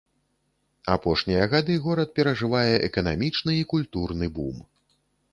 Апошнія гады горад перажывае эканамічны і культурны бум.